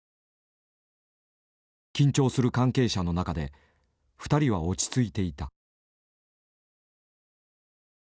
緊張する関係者の中で２人は落ち着いていた。